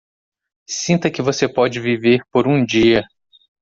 Sinta que você pode viver por um dia